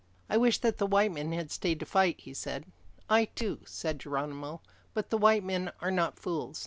"I wish that the white men had stayed to fight," he said. "I too," said Geronimo, "but the white men are not fools.